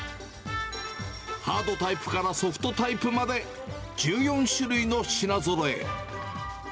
ハードタイプからソフトタイプまで、１４種類の品ぞろえ。